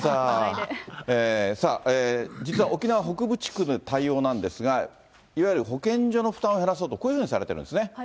さあ、実は沖縄北部地区の対応なんですが、いわゆる保健所の負担を減らそうと、こういうふうにされてるんですね。